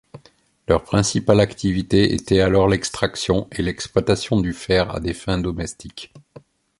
Leur principale activité était alors l'extraction et l'exploitation du fer à des fins domestiques.